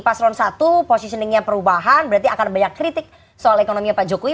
paslon satu positioningnya perubahan berarti akan banyak kritik soal ekonominya pak jokowi